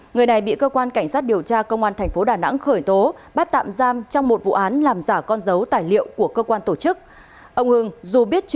người này bị cơ quan cảnh sát điều tra công an tp đà nẵng khởi tố bắt tạm giam trong một vụ án làm giả con dấu tài liệu của cơ quan tổ chức